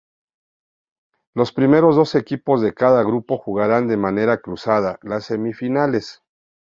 Los primeros dos equipos de cada grupo jugarán, de manera cruzada, las semifinales.